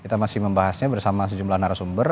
kita masih membahasnya bersama sejumlah narasumber